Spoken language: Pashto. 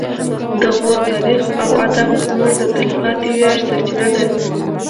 د غور تاریخ او ادب زموږ د تلپاتې ویاړ سرچینه ده